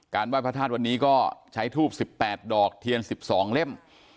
ไหว้พระธาตุวันนี้ก็ใช้ทูบ๑๘ดอกเทียน๑๒เล่ม